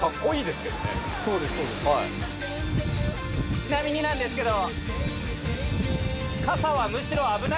ちなみになんですけど。